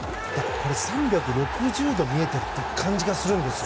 ３６０度見えているって感じがするんです。